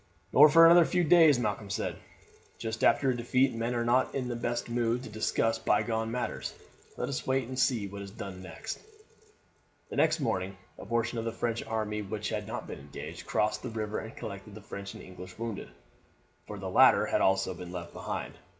"Nor for another few days," Malcolm said. "Just after a defeat men are not in the best mood to discuss bygone matters. Let us wait and see what is done next." The next morning a portion of the French army which had not been engaged crossed the river and collected the French and English wounded, for the latter had also been left behind.